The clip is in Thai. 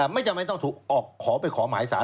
ไม่จำเป็นต้องถูกออกขอไปขอหมายสาร